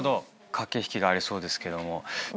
駆け引きがありそうですけども。